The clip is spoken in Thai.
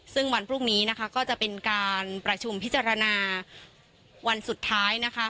ซึ่งวันพรุ่งนี้นะคะก็จะเป็นการประชุมพิจารณาวันสุดท้ายนะคะ